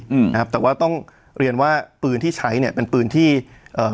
อืมนะครับแต่ว่าต้องเรียนว่าปืนที่ใช้เนี้ยเป็นปืนที่เอ่อ